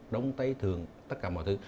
đống tây thường tất cả mọi thứ